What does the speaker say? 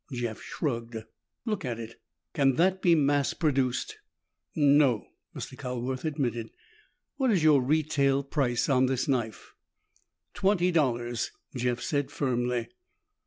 Jeff shrugged. "Look at it. Can that be mass produced?" "No," Mr. Calworth admitted. "What is your retail price on this knife?" "Twenty dollars," Jeff said firmly.